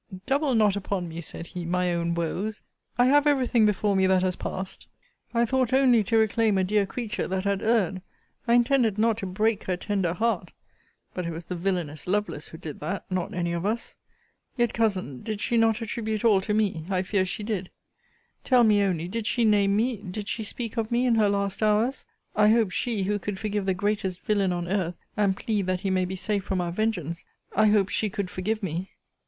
Double not upon me, said he, my own woes! I have every thing before me that has passed! I thought only to reclaim a dear creature that had erred! I intended not to break her tender heart! But it was the villanous Lovelace who did that not any of us! Yet, Cousin, did she not attribute all to me? I fear she did! Tell me only, did she name me, did she speak of me, in her last hours? I hope she, who could forgive the greatest villain on earth, and plead that he may be safe from our vengeance, I hope she could forgive me.